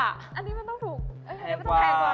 อันนี้มันต้องแพงกว่า